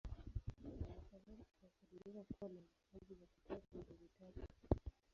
Dar es Salaam inakadiriwa kuwa na wakazi wapatao milioni tatu.